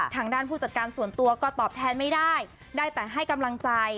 ทางด้านผู้จัดการส่วนตัวก็ตอบแทนไม่ได้ได้แต่ให้กำลังใจ